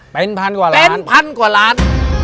เป็นพันกว่าร้าน